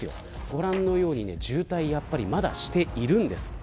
ご覧のように渋滞を、まだしています。